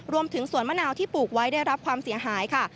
สวนมะนาวที่ปลูกไว้ได้รับความเสียหายค่ะ